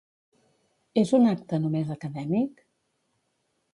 És un acte només acadèmic?